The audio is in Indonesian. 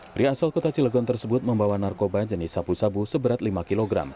pria asal kota cilegon tersebut membawa narkoba jenis sabu sabu seberat lima kg